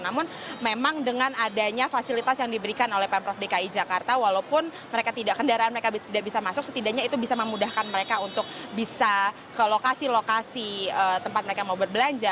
namun memang dengan adanya fasilitas yang diberikan oleh pemprov dki jakarta walaupun kendaraan mereka tidak bisa masuk setidaknya itu bisa memudahkan mereka untuk bisa ke lokasi lokasi tempat mereka mau berbelanja